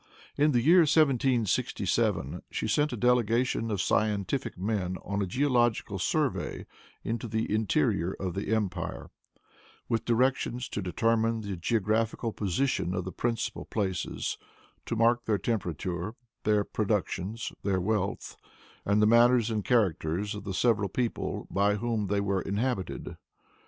In the year 1767, she sent a delegation of scientific men on a geological survey into the interior of the empire, with directions to determine the geographical position of the principal places, to mark their temperature, their productions, their wealth, and the manners and characters of the several people by whom they were inhabited.